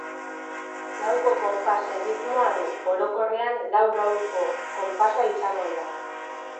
Lauko konpas erritmoa du, orokorrean lau-lauko konpasa izan ohi da.